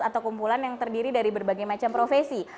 atau kumpulan yang terdiri dari berbagai macam profesi